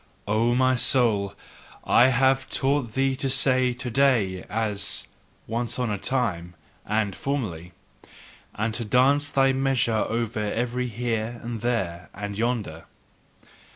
O my soul, I have taught thee to say "to day" as "once on a time" and "formerly," and to dance thy measure over every Here and There and Yonder.